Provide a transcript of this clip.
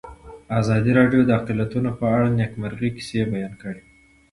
ازادي راډیو د اقلیتونه په اړه د نېکمرغۍ کیسې بیان کړې.